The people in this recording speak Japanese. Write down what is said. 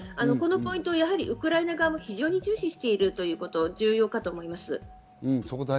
このポイント、ウクライナ側も非常に重視しているということ重要かと思います。